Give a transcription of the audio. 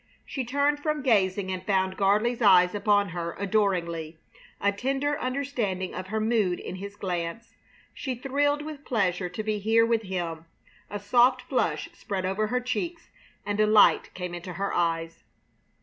She turned from gazing and found Gardley's eyes upon her adoringly, a tender understanding of her mood in his glance. She thrilled with pleasure to be here with him; a soft flush spread over her cheeks and a light came into her eyes.